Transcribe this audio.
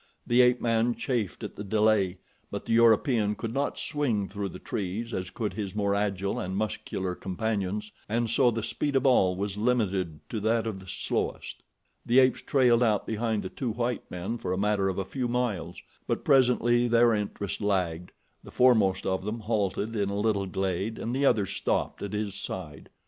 The ape man chafed at the delay, but the European could not swing through the trees as could his more agile and muscular companions, and so the speed of all was limited to that of the slowest. The apes trailed out behind the two white men for a matter of a few miles; but presently their interest lagged, the foremost of them halted in a little glade and the others stopped at his side.